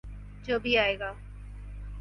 جو بھی آئے گا۔